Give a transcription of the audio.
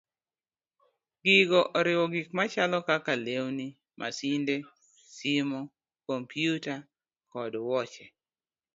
Gigo oriwo gik machalo kaka lewni, masinde, simo, kompyuta, kod wuoche.